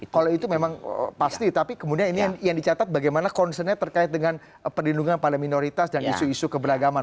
kalau itu memang pasti tapi kemudian ini yang dicatat bagaimana concernnya terkait dengan perlindungan pada minoritas dan isu isu keberagaman